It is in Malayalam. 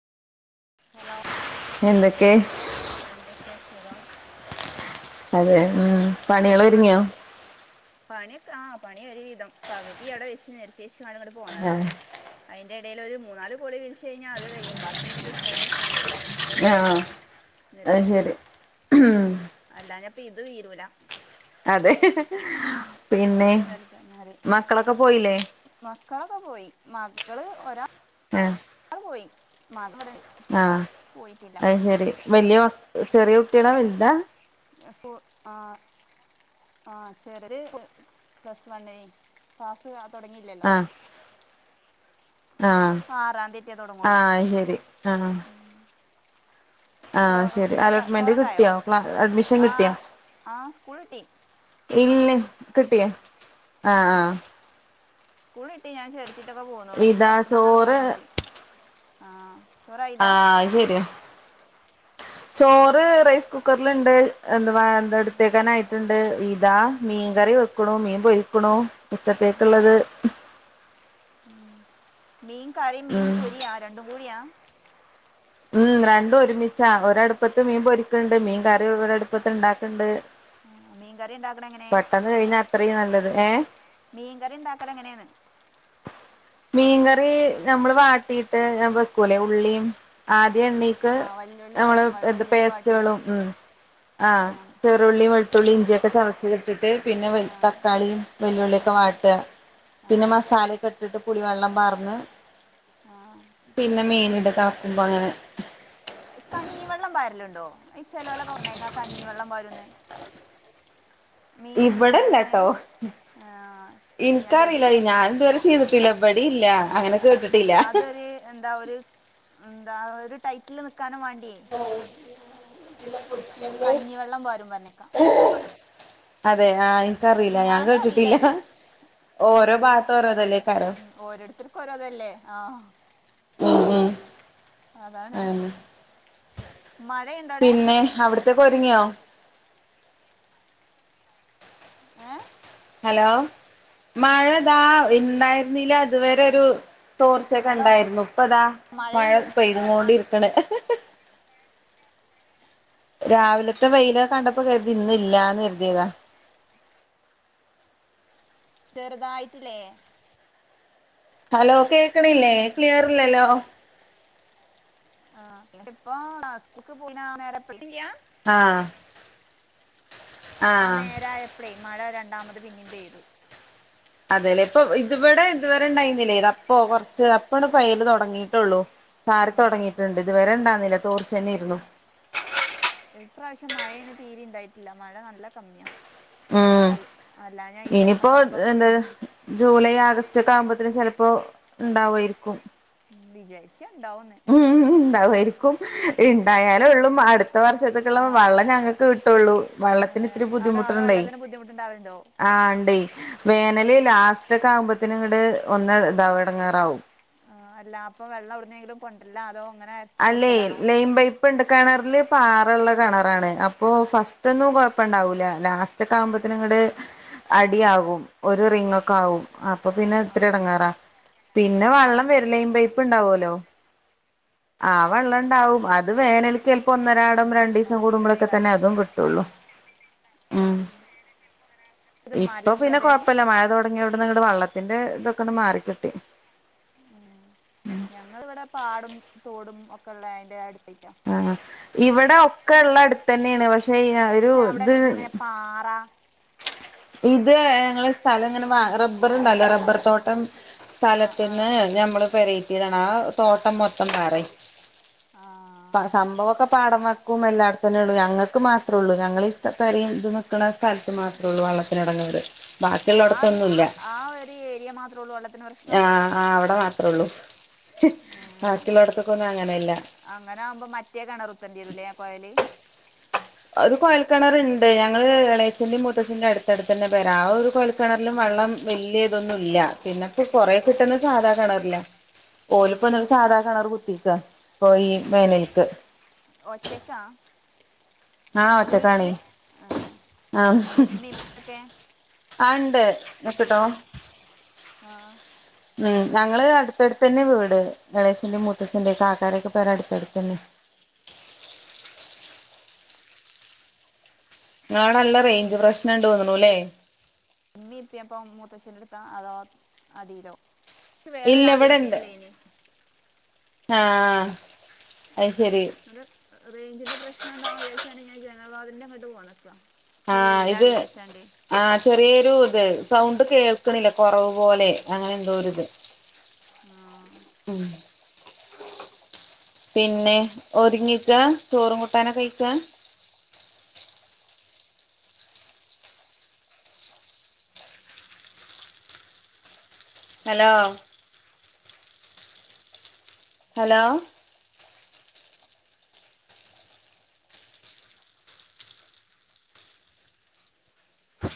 ഹലോ എന്തൊക്കെ എന്തൊക്കെ സുഖം അതെ ഉം പണികൾ മ്മ ഒരുങ്ങിയോ പണിക്കെ ആ പണി ഒരു വിധം പകുതി അവിടെ വെച്ച് നിർത്തിവെച്ച്ക്കാണ്ട് ങ്ങട്ട്പോ പോന്നതാ അതിന്റെ ഇടയിൽ ഒരു മൂന്നാല് കോള് വിളിച്ചഴിഞ്ഞാ അത് കഴിയും ബാക്കിന്നട്ട് ഇടക്കാച്ച്ക്കാണ്ട് ആഹ നിർത്തിയെച്ചതാ അല്ലാഞ്ഞപ്പത് തീരൂല അതെ പിന്നെ അതവിടെ നിർത്തി ഞാൻ മക്കളൊക്കെ പോയില്ലേ മക്കളൊക്കെ പോയി മകള് ഒരാള് പോയി മകൻബടെണ്ട് ആഹ അത് ശരി വലിയ ചെറിയ കുട്ടിയാളാ വലുതാ അപ്പൊ ആ ആ ചെർത് പ്ലസ് വണില് ക്ലാസ്സ് തുടങ്ങില്ലല്ലോ ആഹ ആറാം തീയതിയേ തുടങ്ങുള്ളൂ ആയ് ശരി ആഹ ചോ ആഹ ശരി ഫുഡൊക്കെ അലോട്ട്മെന്റ് ചോറൊക്കായോ കിട്ടിയോ ക്ലാ അഡ്മിഷൻ ആ കിട്ടിയാ ആ സ്കൂൾ കിട്ടി ഇല്ല കിട്ടിയോ ആ ആഹ ആ സ്കൂള്ട്ടി ഞാൻ ചേർത്തിട്ടൊക്കെ പോന്നുക്കുണു ഇഞ്ഞി ഇതാ തോർക്ക്ണന്നാണ് ചോറ് പോയാ മതി ആഹ ആ ആഹ് ശരിയ ചോറ് റൈസ് കുക്കറ്ല്ണ്ട് എന്തവാ എന്താ ഇട്ത്തേക്കാനായിട്ടുണ്ട് ഇതാ മീൻകറി വെക്കുണ്ട് വെക്കുണു മീൻപൊരിക്കുണു ഉച്ചത്തേക്കുള്ളത് ഉമീൻ കറിം മീൻ ഉം പൊരിയാ രണ്ടും കൂടിയാ ഉം രണ്ടും ഒരുമിച്ചാ ഒരടുപ്പത്ത് മീൻ പൊരിക്കണ്ട് മീൻ കറി ഒരട്പ്പത്ത് ണ്ടാക്ക്ണ്ട് ഉം മീൻ കറി ണ്ടാക്കണങ്ങനെ പണി കഴിഞ്ഞാ അത്രീം നല്ലത് ഏ മീൻകറി ഉണ്ടാക്കലെങ്ങനെന്ന് മീൻകറി നമ്മള് വാട്ടിയിട്ട് ഞാൻ വെക്കൂല്ലെ ഉള്ളീം ആ ആദ്യ ണ്ണീക്ക് ആ വല്ലുള്ളി നമ്മള് വാട്ടി ത് വല്ലുള്ളി വാട്ടിയിട്ട് പേസ്റ്റുകളും ഉം ആ ചെർത്ത് രുള്ളീം വെുത്തുള്ളി ഇഞ്ചിയൊക്കൊചതച്ച് പിന്നെ ആ താക്കളീം ആ വെല്ലുളിയൊക്കെ വാട്ട ആ പിന്നെ മസാലൊക്കെ ഇട്ട്ട്ട് പുള്ളി വെള്ളം പാർന്ന് ആ പിന്നെ മീൻ ഇട തെളക്കുമ്പോ അങ്ങനെ കഞ്ഞിവെള്ളം പാരലുണ്ടോ ഈ ചേലോലൊക്കെ പറഞ്ഞേക്ക കഞ്ഞിവെള്ളം പാരൂന്ന് മീൻ കറി ഇവിടെല്ലാട്ടോ വെക്ക്ണതീല് ഞാൻ ശ്രേദ്ധിച്ചില്ല അത് ഇതുവരെ ചെയ്തിട്ടില്ല ഇബടിം ആ അതൊരു എന്താ ഒരു എന്താ ഒരു ടൈറ്റില് നിക്കാനും വാണ്ടിയേ കഞ്ഞിവെള്ളം പാരും പറഞ്ഞേക്കാം [unintelligible] അതെ ആഹ എനിക്കറിയില്ല ഞാൻ ഞാനും അറിയില്ല കേട്ടിട്ടില്ല അത് ഓരോ ഭാത്ത് ഓരോതല്ലേ ഉം ഓരോർത്തർക്കും ഓരോതല്ലേ ആ ആ ആ അതാണ് മഴ യിണ്ട പിന്നെ, അവിടത്തെക്കെ ഒരുങ്ങിയോ ഏ ഹലോ! മഴതാ ഇണ്ടായിരുന്നില്ല ഇതുവരെരു ച്ചോർച്ചയൊക്കെ ഹലോ ണ്ടായ്രുന്നു. ഇപ്പതാ മഴ മഴയുണ്ട് പേഴ്ത്തുകൊണ്ടിര്ക്ക്ണ് രാവിലത്തെ വെയില് കണ്ടപ്പോ, കരുതി ന്ന് ഇല്ലാന്ന് കര്തിയതാ. ചെറുതായിട്ട്ല്ലേ ഹലോ കേക്ക്ണില്ലേ ക്ലിയറില്ലല്ലോ. ആ ഇപ്പൊ [inaudible] [inaudible] ആഹ് ആ ആഹ് നേരായപ്പളേ മഴ രണ്ടാമത് പിന്നിം പെയ്തു. അതെല്ലേ ഇപ്പൊ ഇത്ഇവിടെ ഇതുവരെ ഇണ്ടായിനീലെയ് ദാ ഇപ്പൊ കൊറച്ച് അപ്പണ്ട് പെയ്യല് തുടങ്ങിയിട്ടുള്ളൂ. ചാറി തുടങ്ങിയിട്ടുണ്ട് ഇതുവരെ ഇണ്ടാർന്നില തോർച്ചന്നെയ്രുന്നു. ഇപ്രാവശ്യം മഴ ന് തീരെ ഇണ്ടായിട്ടില്ല മഴ നല്ല കമ്മിയാ ഉം അൽ അല്ലാഞ്ഞാ ഈ ഇനിയിപ്പോ ടൈമൊക്കെ ആകുമ്പോ എന്താ ഉം ജൂലൈ, ആഗസ്റ്റ്, ഒക്കെ ആകുമ്പത്തിന് ചിലപ്പോ ഇണ്ടാവായിരിക്കും ഉം വിജാരിച്ച ഇണ്ടാവൂന്ന് ഉണ്ടാവായിരിക്കും ഇണ്ടായാലേ ഉള്ളു അടുത്ത ആ, വർഷത്തക്കുള്ള വള്ളം ഞങ്ങക്ക് കിട്ടൊള്ളു വള്ളത്തിന് ആടെ ആടെ വള്ളത്തിന് ബുദ്ധിമുട്ട് ഉണ്ടാവലുണ്ടോ ആഹ് ഇണ്ടെയ് വേനല് ലാസ്റ്റ് ഒക്കെ ആകുമ്പത്തിന് ഇങ്ങട് ഒന്ന് താവും എടങ്ങേറാവും ആഹ് അല്ല അപ്പൊ വെള്ളം എവിട്നേലും കൊണ്ടരലാ അതോ ഇങ്ങനെ അല്ലേയ് ലൈൻ പൈപ്പ് പ്പണ്ട് കിണറില് പാറള്ള കിണറാണ് അപ്പോ ഫസ്റ്റ് ഒന്നും കുഴപ്പം ഉണ്ടാവൂല ലാസ്റ്റ് റ്റൊക്കാവുമ്പത്തിന് ഇങ്ങട് അടി ആകും ഒരു റിങ്ങ് ഒക്കെ ആകും അപ്പൊ പിന്നെ ആ, ഇത്ര എടങ്ങാറാ പിന്നെ വള്ളം വെര് ലൈൻ പൈപ്പ് ഇണ്ടാവുല്ലോ ആ വള്ളം ഉണ്ടാവും അത് വേനൽ ക്ക് ചിലപ്പോ ആ, ഒന്നരാടം രണ്ടീസം അപ്പോൾ കൂടുമ്പോൾ ബുദ്ധിമുട്ടുണ്ടെങ്കിൽ ഒക്കെ കാരണം. തന്നെ അതും കിട്ടുള്ളൂ ഉം ഇത് ഇപ്പൊ മലൻ പിന്നെ പ്രദേശം കൊഴപ്പല്ല മഴ തൊട ഞ്ഞഔട്ന്ന്ങ്ങട് വള്ളത്തിന്റെ ഇതൊക്കെ മാറിക്കിട്ടി. ഉം ഞങ്ങള് ഇവിടെ പാടും തോടും ഒക്കെ ഉള്ള അതിന്റെ അട്ത്തെന്നാ ആ ഇവിടെ ഒക്കെ ഉള്ള അടുത്തന്നെയാണ് പക്ഷെ [unintelligible] പക്ഷെ അവിടെ പിന്നെങ്ങനെ ഇത് പാറ ഇത് ഞങ്ങളെ സ്ഥലം ഇങ്ങനെ റബ്ബർ ഉണ്ടല്ലോ റബ്ബർ തോട്ടം ആ ആ സ്ഥലത്തിന്ന് ആ ഞമ്മള് പെരേ കേറ്റിതാണ് ആ തോട്ടം മൊത്തം വേറെയ്ന് ആ പ സംഭവൊക്കെ പാടവക്കും എല്ലാട്ത്തെന്നെള്ളു ഞങ്ങൾക്ക് മാത്രെ ഉള്ളൂ ഞങ്ങൾ ഈ സ്ഥ പെരീം ഇതും നിക്കുന്നസ്ഥലത്ത് മാത്രെ ഉള്ളൂ വള്ള ഒരെടങ്ങേറ് ഏ ആ ഒരു ആ ഒരു ഏരിയ മാത്രം ഉള്ളൂ വള്ളത്തിന്ന് പ്രശ്നം അവിടെമാത്രെ ഉള്ളൂ ഏ. ബാക്കി ഉള്ളോട്ത്ത്ക്ക് ഒന്നും അങ്ങനെ ഇല്ല അങ്ങനെ ആകുമ്പോ മറ്റേ കെണറ് കുത്തണ്ടിവെരുല്ലെ ആ കൊയല് ഒരു കോഴൽക്കിണർണ്ട് ഞങ്ങള് എളേച്ചന്റെറെയും മുത്തച്ഛൻന്റെയും അടുത്തടുത്ത് തന്നെ ആണ് പെര ആ ഒരു കൊയൽ കിണറിലും വെള്ളം വല്ല്യാഇതൊന്നും ഇല്ല പിന്നപ്പൊ കൊറെ കിട്ടണത് സാധാ കിണറിലാ ഓല് ഇപ്പൊന്നട്ട്സാധാ കിണർ കുത്തിക്ക ഇപ്പൊ ഈ വേനൽക്ക്. ഒറ്റക്കാ ആഹ് ഒറ്റക്കാണേ വീട്ടില് ആഹ് അപ്പൊ ഇമ്മീം ഇപ്പെക്കെ ആഹ് ണ്ട് നിക്ക് ട്ടൊ ആഹ് ഉം ഞങ്ങള്അടുത്ത അടുത്ത് തന്നെ വീട് എളയച്ഛന്റെയും മുത്തച്ഛന്റെ കാക്കാരൊക്കെ പേര അട്ത്തട്ത്ത് തന്നെ ഇങ്ങളോടെ നല്ല റേഞ്ച് പ്രശ്നംണ്ട് തോന്നുണുല്ലേ ഇമ്മി ഇപ്പിം അപ്പൊ മൂത്തച്ഛന്റെ അടുത്താ അതോ അടിലോ ഇല്ല ഇവിടെണ്ട് ആഹ് അശെരി അത് റേഞ്ചിന്റെ പ്രശ്നംണ്ടാവും വിചാരിച്ചാണ്ട് ഞാൻ ഈ ജനാവാതിലിന്റെ ങ്ങട്ട് പോന്നത് ആഹ് ഇത് ആഹ് ചെറിയൊരു ഇത് സൗണ്ട് കേൾക്കണില്ല കൊറവ് പോലെ അങ്ങനെ എന്തോഒരു ഇത് അഹ് പിന്നെ ഒതുങ്ങിക്കാ ചോറും കൂട്ടാനൊ അയിക്കാ ഹലോ ഹലോ